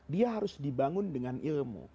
dia harus dibangun dengan ilmu